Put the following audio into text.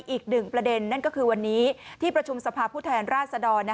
อีกหนึ่งประเด็นนั่นก็คือวันนี้ที่ประชุมสภาพผู้แทนราชดร